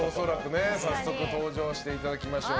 早速登場していただきましょう。